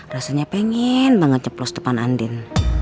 rasanya pengen banget nyeplos depan andin